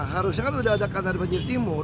harusnya sudah ada kanal banjir di jakarta timur